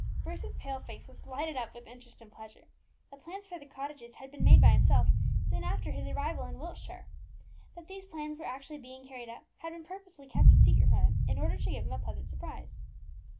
Bruce's pale face was lighted up with interest and pleasure; the plans for the cottages had been made by himself, soon after his arrival in Wiltshire. That these plans were actually being carried out, had been purposely kept a secret from him, in order to give him a pleasant surprise.